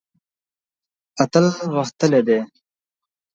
اتل غښتلی دی.